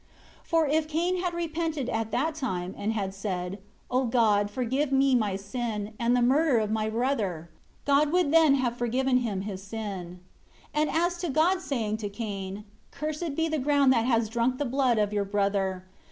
21 For if Cain had repented at that time, and had said, "O God, forgive me my sin, and the murder of my brother," God would then have forgiven him his sin. 22 And as to God saying to Cain, "Cursed be the ground that has drunk the blood of your brother."